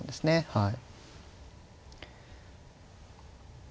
はい。